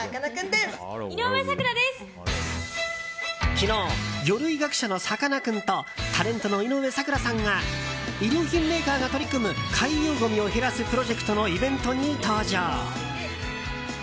昨日、魚類学者のさかなクンとタレントの井上咲楽さんが衣装品メーカーが取り組む海洋ごみを減らすプロジェクトのイベントに登場。